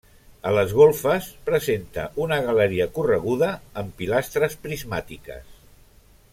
A les golfes presenta una galeria correguda amb pilastres prismàtiques.